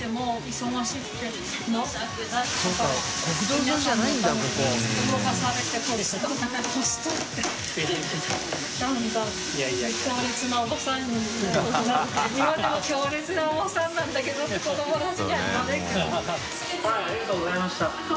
淵好織奪奸ありがとうございました。